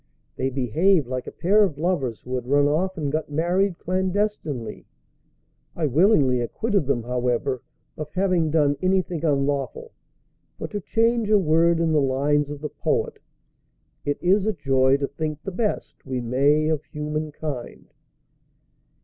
They behaved like a pair of lovers who had run off and got married clandestinely. I willingly acquitted them, however, of having done anything unlawful; for, to change a word in the lines of the poet, "It is a joy to think the best We may of human kind."